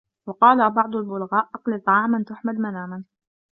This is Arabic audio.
وَقَالَ بَعْضُ الْبُلَغَاءِ أَقْلِلْ طَعَامًا تُحْمَدْ مَنَامًا